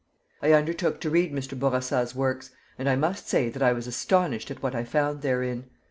I undertook to read Mr. Bourassa's works, and I must say that I was astonished at what I found therein.